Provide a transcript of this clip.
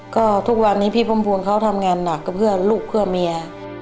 ก็ทุกวันนี้พี่พุ่มพวงเขาทำงานหนักก็เพื่อลูกเพื่อเมีย